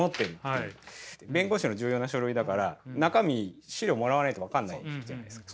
弁護士の重要な書類だから中身資料もらわないと分からないじゃないですか。